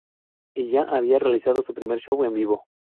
Y ya habían realizado su primer show en vivo.